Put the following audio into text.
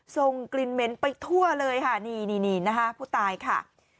ส่งกลิ่นเหม็นไปทั่วเลยค่ะนี่นี่นะคะผู้ตายค่ะ